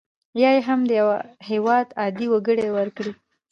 یا یې هم د یو هیواد عادي وګړي ورکړي.